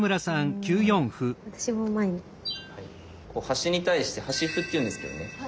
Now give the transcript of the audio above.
端に対して「端歩」っていうんですけどね。